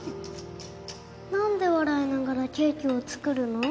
何で笑いながらケーキを作るの？